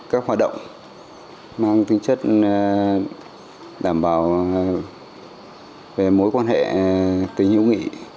các hoạt động mang tính chất đảm bảo về mối quan hệ tình hữu nghị